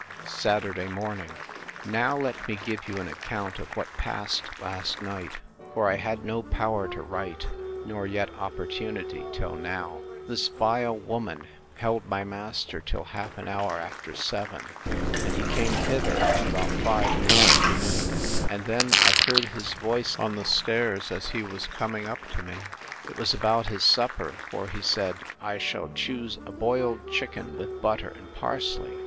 Saturday morning. Now let me give you an account of what passed last night: for I had no power to write, nor yet opportunity till now. This vile woman held my master till half an hour after seven; and he came hither about five in the afternoon. And then I heard his voice on the stairs, as he was coming up to me. It was about his supper; for he said, I shall choose a boiled chicken with butter and parsley.